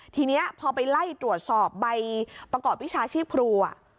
ทีนี้พอไปไล่ตรวจสอบใบประกอบวิชาชีพครู